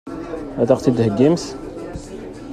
Ad ɣ-t-id-heggimt?